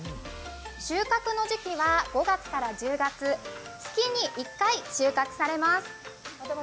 収穫の時期は５月から１０月、月に１回収穫されます。